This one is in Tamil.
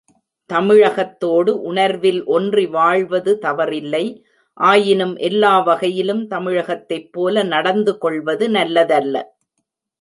தமிழகத்தோடு உணர்வில்ஒன்றி வாழ்வது தவறில்லை, ஆயினும், எல்லா வகையிலும் தமிழகத்தைப் போல நடந்து கொள்வது நல்லதல்ல.